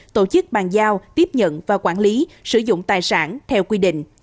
tổ chức bàn giao tiếp nhận và quản lý sử dụng tài sản theo quy định